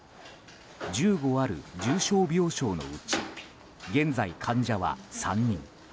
１５ある重症病床のうち現在患者は３人。